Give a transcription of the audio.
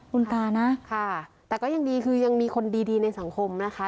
คุณตานะค่ะแต่ก็ยังดีคือยังมีคนดีในสังคมนะคะ